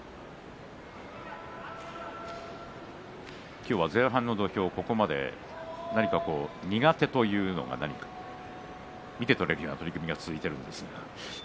今日は前半の土俵、ここまで何か苦手というのが見て取れるような取組が続いています。